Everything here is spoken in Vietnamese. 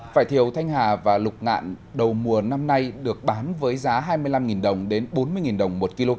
vải thiều thanh hà và lục ngạn đầu mùa năm nay được bán với giá hai mươi năm đồng đến bốn mươi đồng một kg